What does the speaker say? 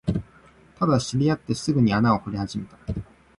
ただ、知り合ってすぐに穴を掘り始めた